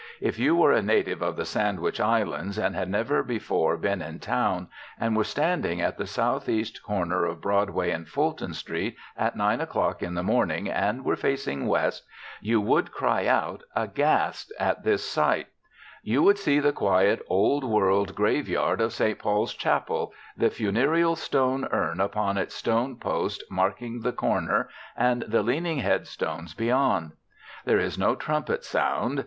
If you were a native of the Sandwich Islands and had never before been in town and were standing at the South East corner of Broadway and Fulton Street at nine o'clock in the morning and were facing West, you would cry out aghast at this sight: You would see the quiet, old world grave yard of St. Paul's Chapel, the funereal stone urn upon its stone post marking the corner and the leaning headstones beyond. There is no trumpet sound.